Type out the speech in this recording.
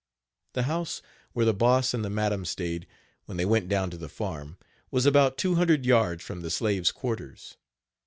The house where the Boss and the madam staid, when they went down to the farm, was about two hundred yards from the slaves' quarters.